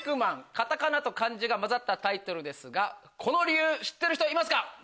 カタカナと漢字が交ざったタイトルですがこの理由知ってる人いますか？